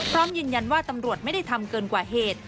พร้อมยืนยันว่าตำรวจไม่ได้ทำเกินกว่าเหตุ